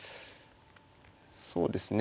そうですね。